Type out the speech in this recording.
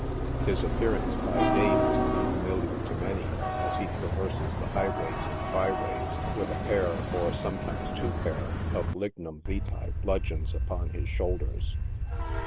His appearance by day must be familiar to many, as he traverses the highways and byways, with a pair, or sometimes two pair, of lignum vita blud geons upon his shoulders.